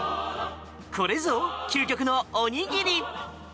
これぞ、究極のおにぎり。